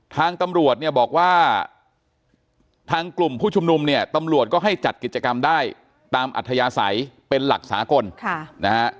ทางกลุ่มผู้ชมนุมเนี่ยตำรวจก็ให้จัดกิจกรรมได้ตามอัธยาศัยเป็นหลักศาคกล